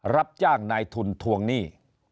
รับจ้างนายทุนทวงหนี้